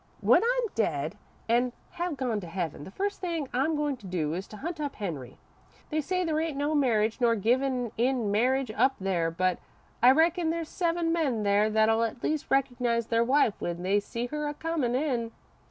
"When I'm dead an' have gone to heaven, the first thing I'm goin' to do is to hunt up Henry. They say there ain't no marriage nor givin' in marriage up there, but I reckon there's seven men there that'll at least recognise their wife when they see her a comin' in.